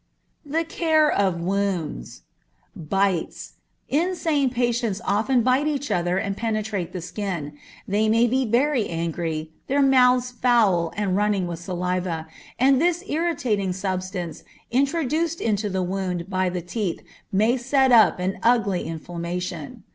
The Care of Wounds. Bites. Insane patients often bite others and penetrate the skin. They may be very angry, their mouths foul and running with saliva, and this irritating substance introduced into the wound by the teeth may set up an ugly inflammation.